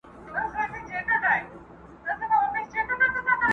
هم په رنگ هم په اخلاق وو داسي ښکلی،